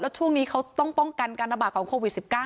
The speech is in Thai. ช่วงนี้เขาต้องป้องกันการระบาดของโควิด๑๙